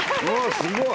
すごい。